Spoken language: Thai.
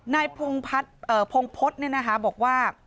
นายพงพะเอ่อโพงพดนะคะบอกว่า